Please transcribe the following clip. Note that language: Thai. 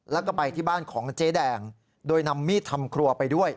แล้วก็ไปที่บ้านของเจ๊แดงโดยนำมีดทำครัวไปด้วย